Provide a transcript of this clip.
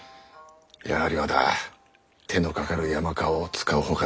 やはりまだ手のかかる山川を使うほかないようじゃのう。